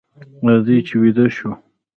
راځئ چې ویده شو.